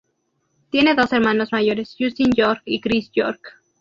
Tiene dos hermanos mayores, Justin York y Chris York.